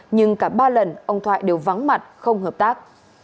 nhưng cả ba lần ông thoại đều vắng mặt không hợp tác